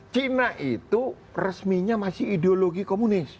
cina itu resminya masih ideologi komunis